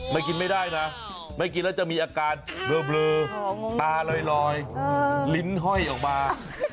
ไม่กินไม่ได้นะไม่กินแล้วจะมีอาการเบลอตาลอยลิ้นห้อยออกมา